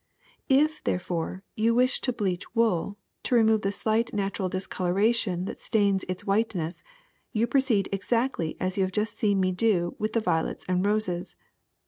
^'If, therefore, you wish to bleach wool, to remove the slight natural discoloration that stains its white ness, you proceed exactly as you have just seen me do with the violets and roses.